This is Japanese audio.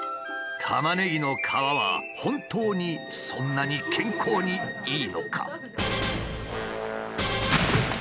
タマネギの皮は本当にそんなに健康にいいのか？